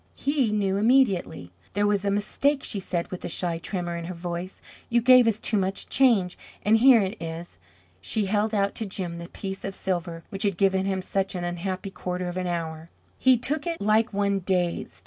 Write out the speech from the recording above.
He knew immediately. "There was a mistake," she said, with a shy tremor in her voice. "You gave us too much change and here it is." She held out to Jim the piece of silver which had given him such an unhappy quarter of an hour. He took it like one dazed.